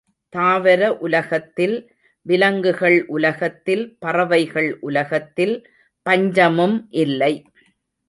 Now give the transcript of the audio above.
தாவர உலகத்தில், விலங்குகள் உலகத்தில், பறவைகள் உலகத்தில் பஞ்சமும் இல்லை.